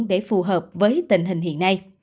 để phù hợp với tình hình hiện nay